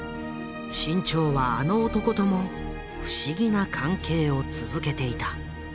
志ん朝はあの男とも不思議な関係を続けていた。